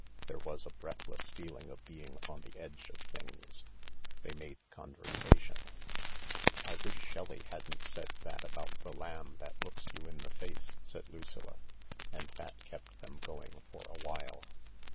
There was a breathless feeling of being on the edge of things. They made conversation :" I wish Shelley hadn't said that about the lamb that looks you in the face," said Lucilla. And that kept them going for a while.